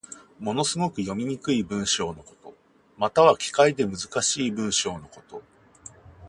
ものすごく読みにくい文章のこと。または、奇怪で難しい文章のこと。